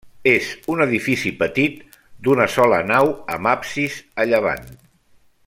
És un edifici petit, d'una sola nau amb absis a llevant.